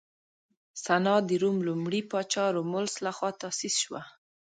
سنا د روم لومړي پاچا رومولوس لخوا تاسیس شوه